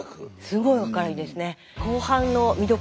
すごい明るいですね。